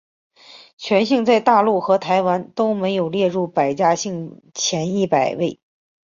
全姓在大陆和台湾都没有列入百家姓前一百位。